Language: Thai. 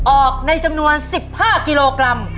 ออกในจำนวน๑๕กิโลกรัม